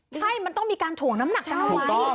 ใช่มันต้องมีการถ่วงน้ำหนักกันเอาไว้